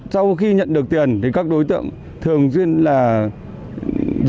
sau khi nhận được tiền thì các đối tượng thường duyên là rời khỏi